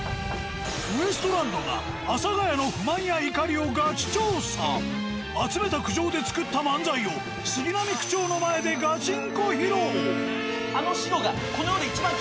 ウエストランドが阿佐ヶ谷の集めた苦情で作った漫才を杉並区長の前でガチンコ披露！